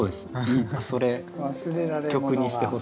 いいそれ曲にしてほしい。